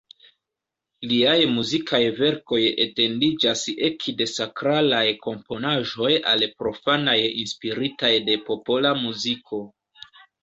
Liaj muzikaj verkoj etendiĝas ekde sakralaj komponaĵoj al profanaj inspiritaj de popola muziko.